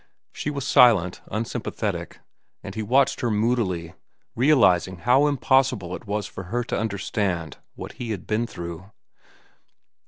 She was silent, unsympathetic, and he watched her moodily, realizing how impossible it was for her to understand what he had been through.